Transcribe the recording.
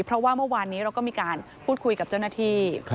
เพราะว่าเมื่อวานนี้เราก็มีการพูดคุยกับเจ้าหน้าที่